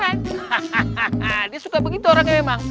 hahaha dia suka begitu orangnya memang